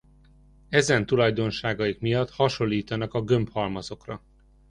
Ezen tulajdonságaik miatt hasonlítanak a gömbhalmazokra.